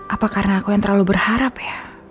apa karena aku yang terlalu berharap ya